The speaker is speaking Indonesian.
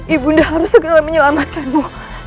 ibu harus segera menyelamatkanmu